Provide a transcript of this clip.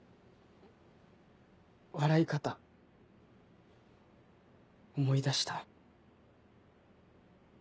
笑い方思い出した？